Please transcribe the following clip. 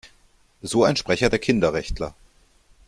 So ein Sprecher der Kinderrechtler.